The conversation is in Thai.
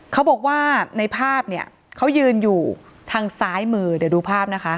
เขาบอกว่าในภาพเนี่ยเขายืนอยู่ทางซ้ายมือเดี๋ยวดูภาพนะคะ